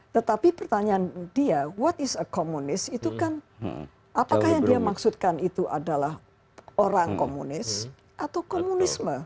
tetapi pertanyaan dia what is a communis itu kan apakah yang dia maksudkan itu adalah orang komunis atau komunisme